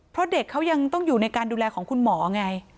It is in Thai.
เพราะเด็กเขายังต้องอยู่ในการดูแลของคุณหมอไง